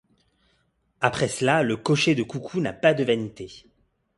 Après cela le cocher de coucou n’a pas de vanité !